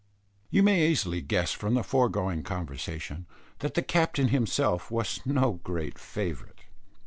You may easily guess from the foregoing conversation, that the captain himself was no great favourite.